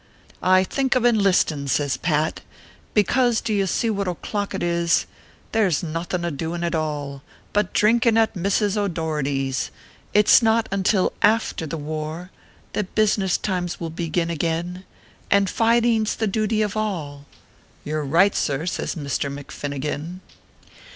I think of enlistin ," says Pat, " Because do you see what o clock it is ; There s nothin adoin at all But drinkin at Mrs. O Docharty s. It s not until after the war That business times will begin again, And fightin s the duty of all " "You re right, sir," says Misther McFinnigan.